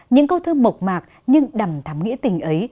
những câu thơ mộc mạc nhưng đầm thắm nghĩa tình ấy